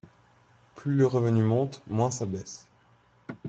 Plus le revenu monte, moins ça baisse.